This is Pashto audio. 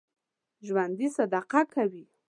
ژوندي صدقه کوي